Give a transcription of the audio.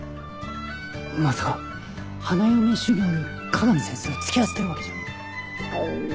まさか花嫁修業に香美先生を付き合わせてるわけじゃ。